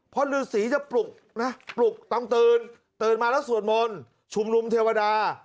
เพราะฤษีจะปลุกนะปลุกต้องตื่นตื่นมาแล้วสวดมนต์ชุมนุมเทวดา